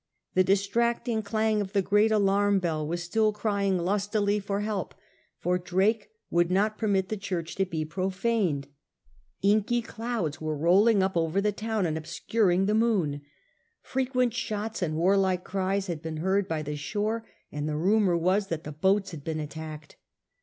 The distracting clang of the great alarm bell was still crying lustily for 28 SIR FRANCIS DRAKE chap. help, for Drake would not permit the church to be profaned ; inky clouds were rolling up over the town and obscuring the moon; frequent shots and warlike cries had been heard by the shore, and the rumour was that the boats had been attacked.